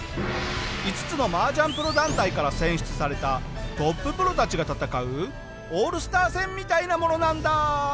５つの麻雀プロ団体から選出されたトッププロたちが戦うオールスター戦みたいなものなんだ。